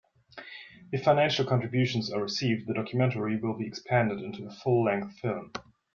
If financial contributions are received, the documentary will be expanded into a full-length film.